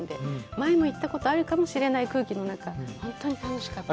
前も行ったこともあるかもしれない空気、本当に楽しかったです。